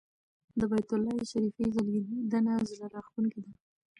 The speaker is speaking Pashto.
د بیت الله شریفه ځلېدنه زړه راښکونکې ده.